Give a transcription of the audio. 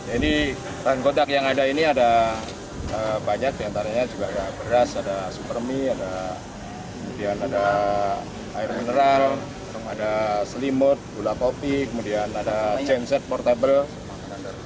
ini bahan kotak yang ada ini ada banyak diantaranya juga ada beras ada super mie kemudian ada air mineral ada selimut gula kopi kemudian ada genset portable makanan